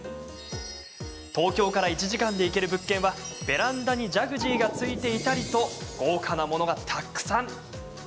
東京から１時間で行ける物件はベランダにジャグジーが付いていたりと豪華なものがたくさん。